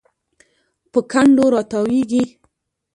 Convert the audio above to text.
په کنډو راتاویږي